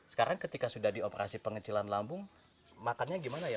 sekarang ketika sudah dioperasi pengecilan lambung makannya gimana ya